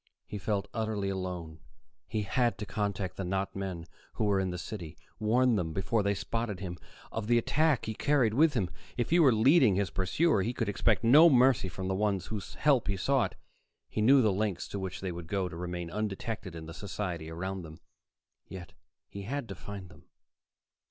He felt utterly alone; he had to contact the not men who were in the city, warn them, before they spotted him, of the attack he carried with him. If he were leading his pursuer, he could expect no mercy from the ones whose help he sought. He knew the lengths to which they would go to remain undetected in the society around them. Yet he had to find them.